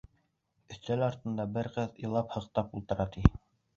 Өҫтәл артында бер ҡыҙ илап-һыҡтап ултыра, ти.